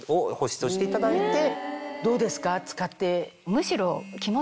むしろ。